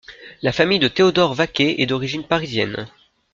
La famille de Théodore Vacquer est d'origine parisienne.